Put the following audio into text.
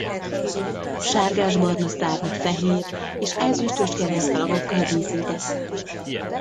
Sárgásbarna szárnya fehér és ezüstös keresztszalagokkal díszített.